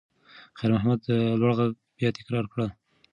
خیر محمد د لور غږ بیا تکرار کړ.